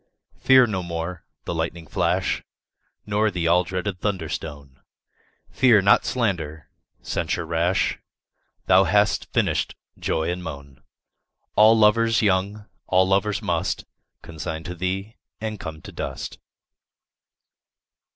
Fear no more the lightning flash Nor the all dreaded thunder stone; Fear not slander, censure rash; Thou hast finished joy and moan: All lovers young, all lovers must Consign to thee, and come to dust.